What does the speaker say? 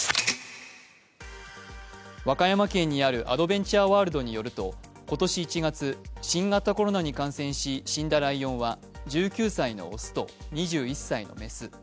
和歌山県にあるアドベンチャーワールドによると、今年１月、新型コロナに感染し死んだライオンは１９歳の雄と２１歳の雌。